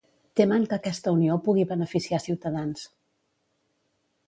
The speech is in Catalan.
Temen que aquesta unió pugui beneficiar Ciutadans.